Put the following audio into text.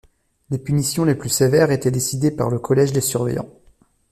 Les punitions les plus sévères étaient décidées par le collège des surveillants.